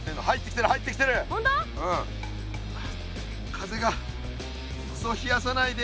風がクソ冷やさないで。